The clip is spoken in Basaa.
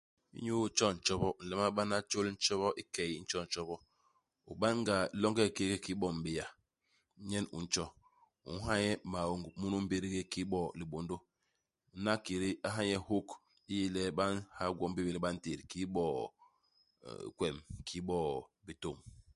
Inyu itjo ntjobo, u nlama bana tjôl i ntjobo, i key i ntjo ntjobo, u ban-ga longe i kék kiki bo m'béa, nyen u ntjo. U nha nye maong munu i mbégdé kiki bo libôndô. Hana i kédé, u ha nye hôk i i yé le ba nha gwom bi bi yé le ba ntét, kiki bo euh kwem ; kiki bo bitôñ.